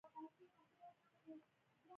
امر دي پرځای کیږي